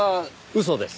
嘘です。